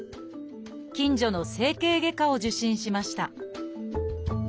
近所の整形外科を受診しました。